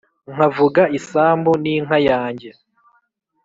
nkavuga isambu n’inka yanjye